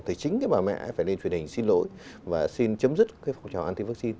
thì chính cái bà mẹ phải lên truyền hình xin lỗi và xin chấm dứt cái phong trào anti vaccine